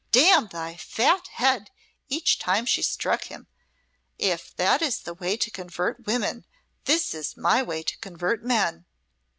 'Damn thy fat head,' each time she struck him 'if that is thy way to convert women, this is my way to convert men.'